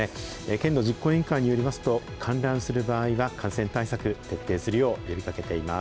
県の実行委員会によりますと、観覧する場合は感染対策、徹底するよう呼びかけています。